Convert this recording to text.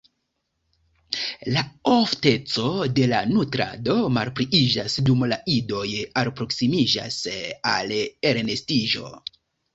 La ofteco de la nutrado malpliiĝas dum la idoj alproksimiĝas al elnestiĝo.